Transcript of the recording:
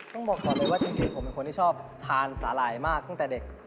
ต้องบอกก่อนเลยว่าจริงผมเป็นคนที่ชอบทานสาหร่ายมากตั้งแต่เด็ก